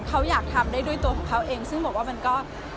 เขาอยากทำได้ด้วยตัวของเขาเองซึ่งบอกว่ามันก็